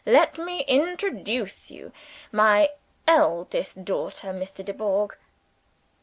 Let me introduce you. My eldest daughter Mr. Dubourg."